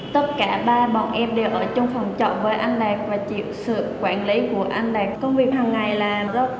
tất cả ba bọn em đều ở trong phòng trọ với anh đạt và chịu sự quản lý của anh đạt